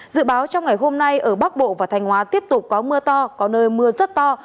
dự báo trong ngày hôm nay ở bắc bộ và thanh hóa tiếp tục có mưa to có nơi mưa rất to